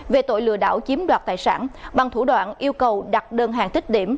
về tội lừa đảo chiếm đoạt tài sản bằng thủ đoạn yêu cầu đặt đơn hàng tích điểm